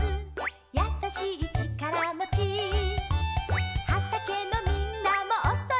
「やさしいちからもち」「はたけのみんなもおそろいね」